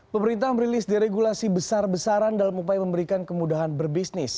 pemerintah merilis deregulasi besar besaran dalam upaya memberikan kemudahan berbisnis